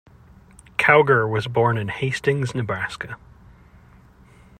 Cowger was born in Hastings, Nebraska.